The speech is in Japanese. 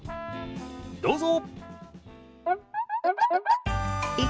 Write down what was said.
どうぞ！